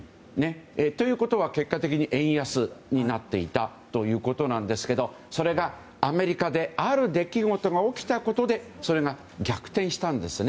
ということは結果的に円安になっていたということですがそれがアメリカである出来事が起きたことでそれが逆転したんです。